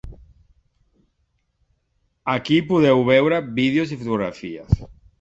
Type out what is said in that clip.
Ací podeu veure vídeos i fotografies.